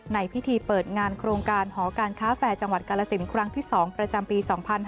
ในพิธีเปิดงานโครงการหอการค้าแฟร์จังหวัดกาลสินครั้งที่๒ประจำปี๒๕๕๙